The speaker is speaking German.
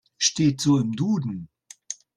Steht so im Duden.